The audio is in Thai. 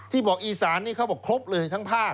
บอกอีสานนี่เขาบอกครบเลยทั้งภาค